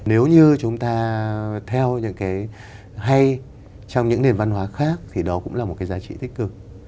nếu như chúng ta theo những cái hay trong những nền văn hóa khác thì đó cũng là một cái giá trị tích cực